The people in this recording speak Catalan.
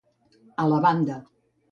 A la banda.